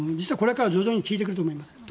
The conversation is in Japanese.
これは徐々に効いてくると思います。